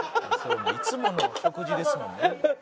「いつもの食事ですもんね」